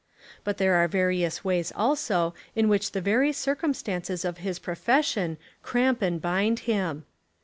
But there are various ways also In which the very circumstances of his profession cramp and bind him.